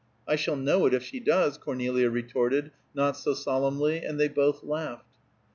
"I shall know it if she does," Cornelia retorted, not so solemnly, and they both laughed.